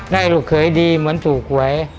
ได้ลูกเคยดีเหมือนถูกไว้